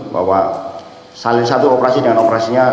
bahwa saling satu operasi dengan operasinya